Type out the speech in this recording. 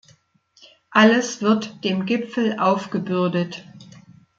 Alles wird dem Gipfel aufgebürdet.